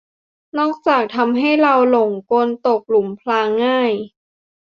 นอกจากทำให้เราหลงกลตกหลุมพรางง่าย